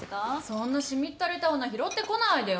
そんなしみったれた女拾ってこないでよ。